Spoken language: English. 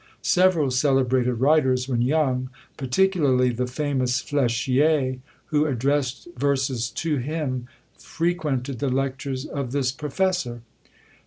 Several celebrated writers when young, particularly the famous Flechier, who addressed verses to him, frequented the lectures of this professor!